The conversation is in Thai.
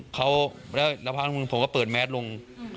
เขาแล้วพักหนึ่งผมก็เปิดแมสลง